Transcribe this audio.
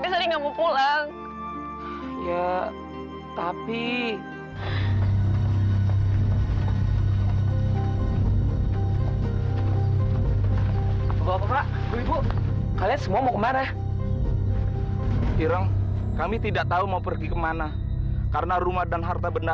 sampai jumpa di video selanjutnya